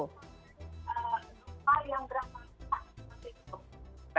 gempa yang berapa besar maknitudo